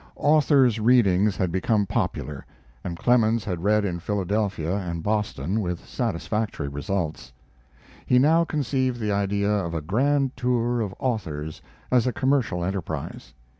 Authors' readings had become popular, and Clemens had read in Philadelphia and Boston with satisfactory results. He now conceived the idea of a grand tour of authors as a commercial enterprise.